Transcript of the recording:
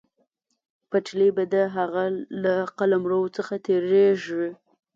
پټلۍ به د هغه له قلمرو څخه تېرېږي.